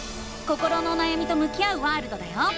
心のおなやみと向き合うワールドだよ！